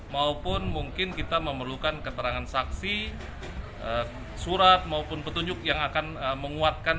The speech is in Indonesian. maupun mungkin kita memerlukan keterangan saksi surat maupun petunjuk yang akan menguatkan